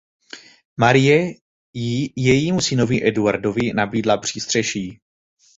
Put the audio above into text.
Marie jí i jejímu synovi Eduardovi nabídla přístřeší.